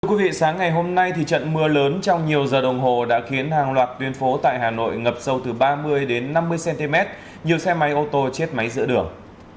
thưa quý vị sáng ngày hôm nay trận mưa lớn trong nhiều giờ đồng hồ đã khiến hàng loạt tuyên phố tại hà nội ngập sâu từ ba mươi đến năm mươi cm nhiều xe máy ô tô chết máy giữa đường